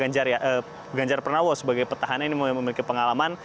dan juga tentu saja ganjar pernawo sebagai petahannya ini memiliki pengalaman